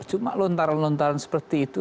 cuma lontaran lontaran seperti itu